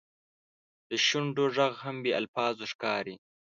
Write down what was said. د شونډو ږغ هم بې الفاظو ښکاري.